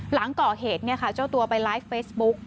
หลังก่อเหตุเจ้าตัวไปไลฟ์เฟซบุ๊ก